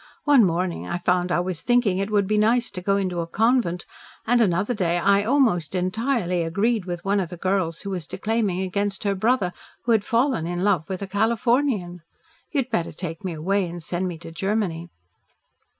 "One morning I found I was thinking it would be nice to go into a convent, and another day I almost entirely agreed with one of the girls who was declaiming against her brother who had fallen in love with a Californian. You had better take me away and send me to Germany."